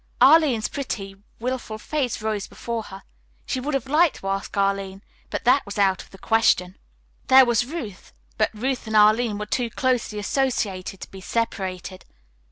Arline's pretty, wilful face rose before her. She would have liked to ask Arline, but that was out of the question. There was Ruth, but Ruth and Arline were too closely associated to be separated.